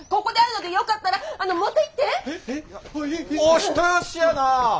お人よしやなぁ。